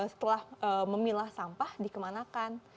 setelah memilah sampah dikemanakan